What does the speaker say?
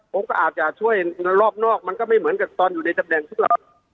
ผมก็อาจจะช่วยรอบนอกมันก็ไม่เหมือนกับตอนอยู่ในตำแหน่งสักหรอก